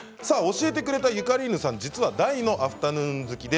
教えてくれたりゆかりーぬさん実は大のアフタヌーン